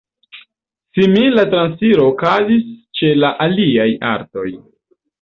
Simila transiro okazis ĉe la aliaj artoj.